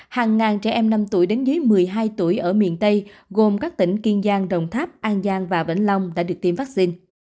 hàng ngàn trẻ em năm tuổi đến dưới một mươi hai tuổi ở miền tây gồm các tỉnh kiên giang đồng tháp an giang và vĩnh long đã được tiêm vaccine